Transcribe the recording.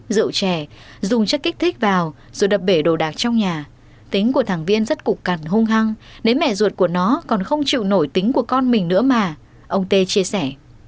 rượu trẻ dùng chất kích thích vào rồi đập bể đồ đạc trong nhà tính của thành viên rất cục cằn hung hăng lấy mẹ ruột của nó còn không chịu nổi tính của con mình nữa mà ông tê chia sẻ